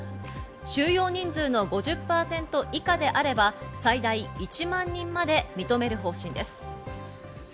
収容人数の５０％以下であれば最大１万人まで認める方針です。